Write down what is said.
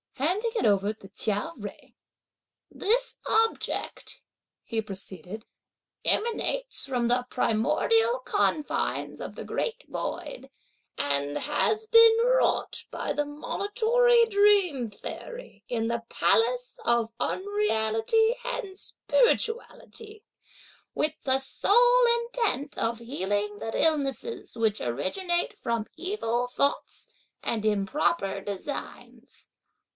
Handing it over to Chia Jui: "This object," he proceeded, "emanates from the primordial confines of the Great Void and has been wrought by the Monitory Dream Fairy in the Palace of Unreality and Spirituality, with the sole intent of healing the illnesses which originate from evil thoughts and improper designs.